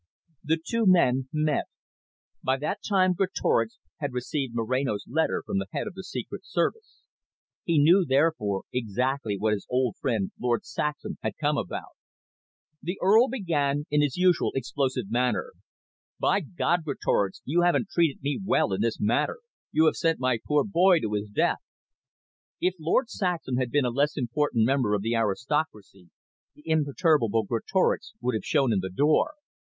The two men met. By that time Greatorex had received Moreno's letter from the head of the Secret Service. He knew, therefore, exactly what his old friend Lord Saxham had come about. The Earl began in his usual explosive manner. "By God, Greatorex, you haven't treated me well in this matter. You have sent my poor boy to his death." If Lord Saxham had been a less important member of the aristocracy, the imperturbable Greatorex would have shown him the door.